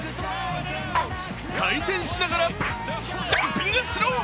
回転しながらジャンピングスロー。